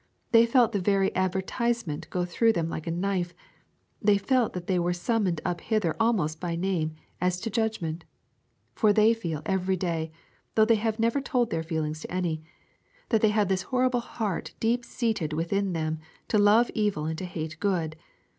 They felt the very advertisement go through them like a knife: they felt that they were summoned up hither almost by name as to judgment. For they feel every day, though they have never told their feelings to any, that they have this horrible heart deep seated within them to love evil and to hate good.